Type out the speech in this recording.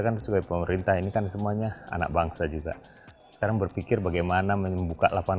kan sebagai pemerintah ini kan semuanya anak bangsa juga sekarang berpikir bagaimana membuka lapangan